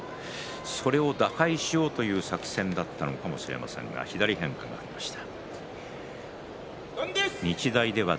それを打開しようという作戦だったのかもしれませんが左に変化しました。